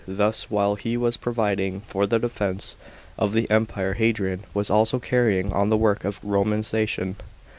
Thus, while he was providing for the defence of the Empire. Hadrian was also carrying on the work of Komanisation.